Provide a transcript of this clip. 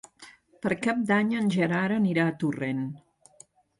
Per Cap d'Any en Gerard anirà a Torrent.